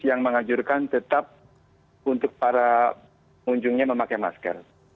yang mengajurkan tetap untuk para pengunjungnya memakai masker